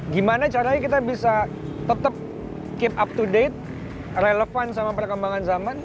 gimana caranya kita bisa tetap keep up to date relevan sama perkembangan zaman